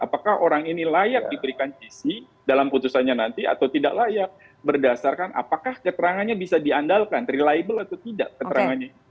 apakah orang ini layak diberikan isi dalam putusannya nanti atau tidak layak berdasarkan apakah keterangannya bisa diandalkan reliable atau tidak keterangannya